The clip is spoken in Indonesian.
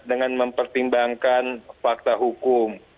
dengan mempertimbangkan fakta hukum